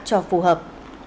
cho phù hợp